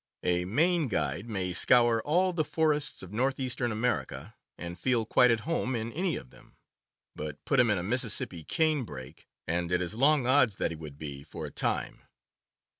A Maine guide may scour all the forests of northeastern America, and feel quite at home in any of them; but put him in a Mississippi canebrake, and it is long odds that he would be, for a time.